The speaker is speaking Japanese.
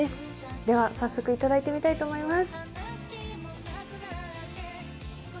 では、早速頂いてみたいと思います